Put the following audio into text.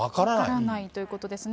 分からないということですね。